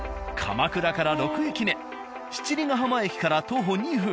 ［鎌倉から６駅目七里ヶ浜駅から徒歩２分］